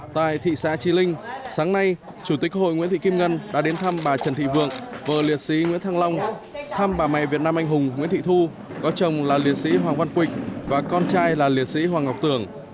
tại thị xã trí linh sáng nay chủ tịch hội nguyễn thị kim ngân đã đến thăm bà trần thị vượng vợ liệt sĩ nguyễn thăng long thăm bà mẹ việt nam anh hùng nguyễn thị thu có chồng là liệt sĩ hoàng văn quỳnh và con trai là liệt sĩ hoàng ngọc tường